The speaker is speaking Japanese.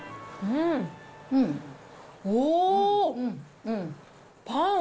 うん、おー！